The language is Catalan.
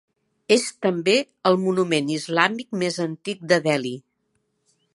És també el monument islàmic més antic de Delhi.